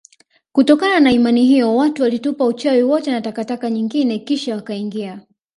Kutokana na imani hiyo watu walitupa uchawi wote na taka nyingine kisha wakaingia